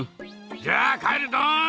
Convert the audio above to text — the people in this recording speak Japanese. じゃあかえるドン！